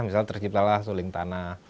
misalnya terciptalah suling tanah